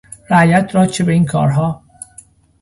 رعیت را چه به این کارها